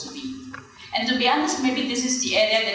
bank sebenarnya menyebutkan hal itu